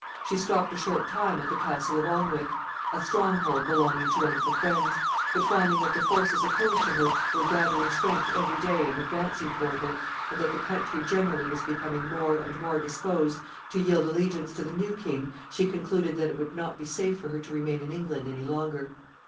She stopped a short time at the Castle of Alnwick, a strong hold belonging to one of her friends; but, finding that the forces opposed to her were gathering strength every day and advancing toward her, and that the country generally was becoming more and more disposed to yield allegiance to the new king, she concluded that it would not be safe for her to remain in England any longer.